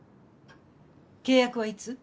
契約はいつ？